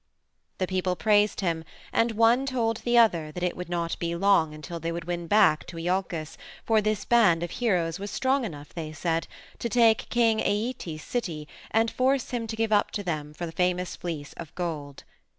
The people praised him, and one told the other that it would not be long until they would win back to Iolcus, for this band of heroes was strong enough, they said, to take King Æetes's city and force him to give up to them the famous Fleece of Gold.